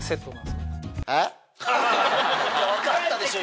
分かったでしょ